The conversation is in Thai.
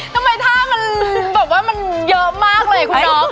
ทำไมท่ามันเยอะมากเลยคุณน้อ